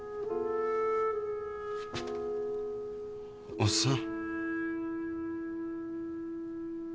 おっさん。